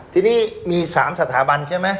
ทีนี้มี๓สถาบันใช่ไหม